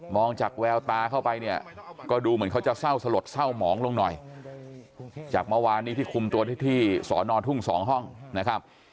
จากแววตาเข้าไปเนี่ยก็ดูเหมือนเขาจะเศร้าสลดเศร้าหมองลงหน่อยจากเมื่อวานนี้ที่คุมตัวที่ที่สอนอทุ่ง๒ห้องนะครับ